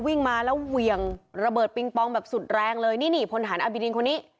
วิ่งมาแล้วเหวี่ยงระเบิดปิงปองแบบสุดแรงเลยนี่นี่พลฐานอบิดินคนนี้